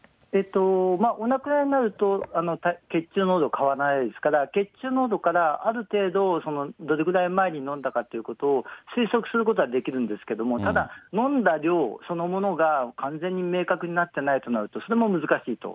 お亡くなりになると、血中濃度変わらないですから、血中濃度から、ある程度、どれぐらい前に飲んだかってことを推測することはできるんですけれども、ただ、飲んだ量、そのものが完全に明確になってないとなると、それも難しいと。